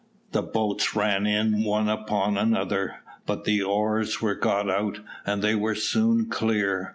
The boats ran in one upon another; but the oars were got out, and they were soon clear.